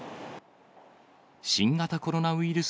新型コロナウイルス